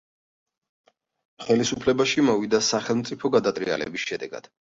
ხელისუფლებაში მოვიდა სახელმწიფო გადატრიალების შედეგად.